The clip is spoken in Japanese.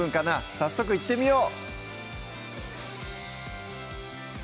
早速いってみよう！